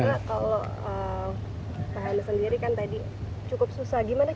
pak handa sendiri kan tadi